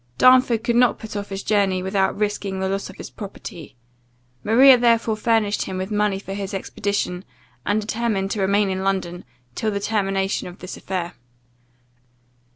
Darnford could not put off his journey, without risking the loss of his property: Maria therefore furnished him with money for his expedition; and determined to remain in London till the termination of this affair.